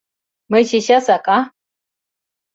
— Мый чечасак, а?